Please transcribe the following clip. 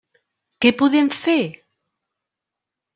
Què podem fer?